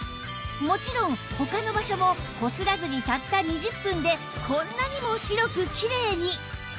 もちろん他の場所もこすらずにたった２０分でこんなにも白くキレイに！